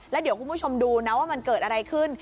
แล้วเดี๋ยวคุณผู้ชมดูนะว่ามันเกิดอะไรขึ้น